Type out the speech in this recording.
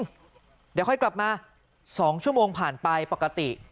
เดี๋ยวค่อยกลับมา๒ชั่วโมงผ่านไปปกติ